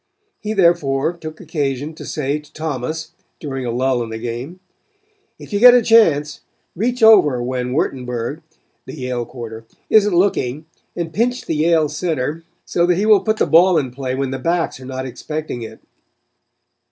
He, therefore, took occasion to say to Thomas during a lull in the game, "If you get a chance, reach over when Wurtenburg the Yale quarter isn't looking, and pinch the Yale center so that he will put the ball in play when the backs are not expecting it."